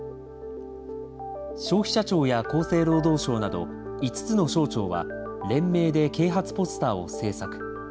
消費者庁や厚生労働省など５つの省庁は、連名で啓発ポスターを制作。